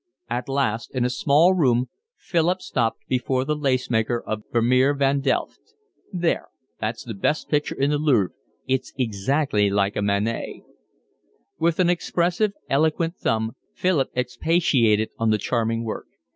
At last, in a small room, Philip stopped before The Lacemaker of Vermeer van Delft. "There, that's the best picture in the Louvre. It's exactly like a Manet." With an expressive, eloquent thumb Philip expatiated on the charming work.